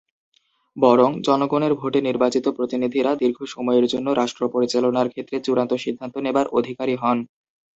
বরং জনগণের ভোটে নির্বাচিত প্রতিনিধিরা দীর্ঘ সময়ের জন্য রাষ্ট্র পরিচালনার ক্ষেত্রে চূড়ান্ত সিদ্ধান্ত নেবার অধিকারী হন।